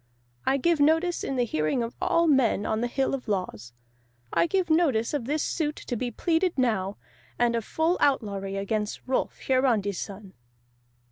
I give notice in the hearing of all men on the Hill of Laws. I give notice of this suit to be pleaded now, and of full outlawry against Rolf Hiarandi's son."